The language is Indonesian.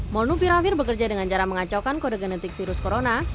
molnupiravir bekerja dengan cara mengacaukan kode genetik virus corona